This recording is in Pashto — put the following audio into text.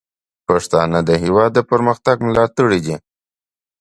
پښتانه د هیواد د پرمختګ ملاتړي دي.